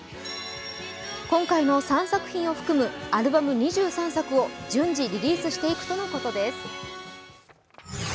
今回の３作品を含むアルバム２３作を順次リリースしていくとのことです。